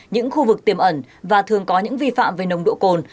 những khu vực tiềm ẩn và thường có những vi phạm về nồng độ cồn